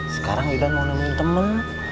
sekarang ida mau nemuin temen